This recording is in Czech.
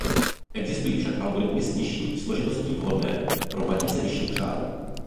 Existují však algoritmy s nižší složitostí vhodné pro matice vyšších řádů.